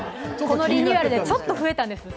このリニューアルでちょっと増えたんです。